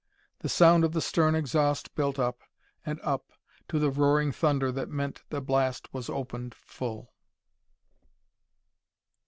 The sound of the stern exhaust built up and up to the roaring thunder that meant the blast was opened full....